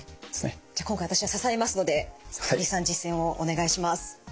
じゃ今回私は支えますので鳥居さん実践をお願いします。